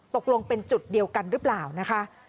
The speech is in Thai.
ตกลงเป็นจุดเดียวกันหรือเปล่านะคะ